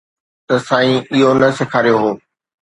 نه سائين اهو نه سيکاريو هو